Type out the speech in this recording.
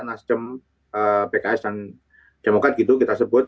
nasdem pks dan demokrat gitu kita sebut